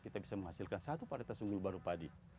kita bisa menghasilkan satu paritas unggul baru padi